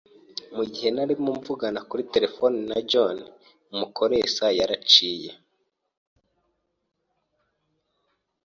Mugihe narimo mvugana kuri terefone na John, umukoresha yaraciye.